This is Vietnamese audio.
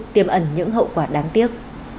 tiêm ẩn những hậu quả đáng tiếc